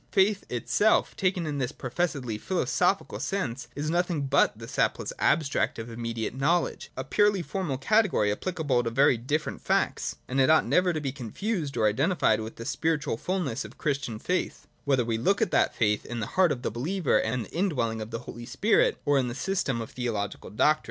Faith itself, taken in this professedly philosophical sense, is nothing but the sapless abstract of immediate know ledge, — a purely formal category applicable to very different facts ; and it ought never to be confused or identified with the spiritual fulness of Christian faith, whether we look at that faith in the heart of the believer and the in dwelling of the Holy Spirit, or in the system of theological doctrine.